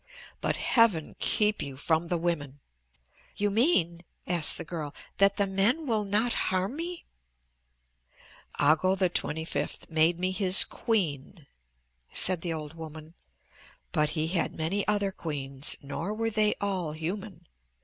But heaven keep you from the women!" "You mean," asked the girl, "that the men will not harm me?" "Ago XXV made me his queen," said the old woman. "But he had many other queens, nor were they all human.